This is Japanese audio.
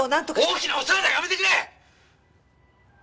大きなお世話だやめてくれ！！